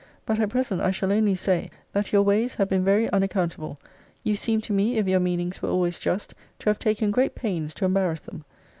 But at present, I shall only say, that your ways have been very unaccountable. You seem to me, if your meanings were always just, to have taken great pains to embarrass them.